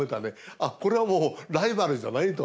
「あっこれはもうライバルじゃない」と。